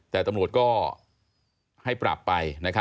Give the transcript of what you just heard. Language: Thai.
แต่ตำรวจก็ให้ปรับไป